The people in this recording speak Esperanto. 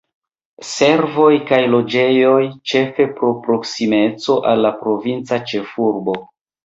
Servoj kaj loĝejoj, ĉefe pro proksimeco al la provinca ĉefurbo.